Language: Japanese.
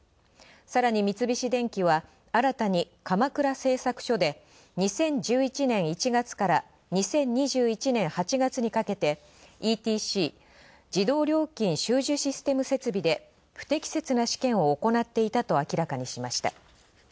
さらに三菱電機は、新たに鎌倉製作所で２０１１年１月から２０２１年８月にかけてＥＴＣ＝自動料金収受システム設備で不適切な試験を行っていたと明らかにしました。